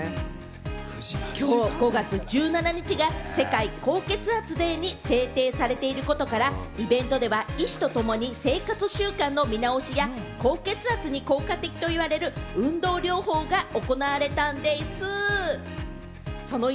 きょう５月１７日は世界高血圧デーに制定されていることから、イベントでは医師と共に生活習慣の見直しや高血圧に効果的といわれる運動療法が行われたんです。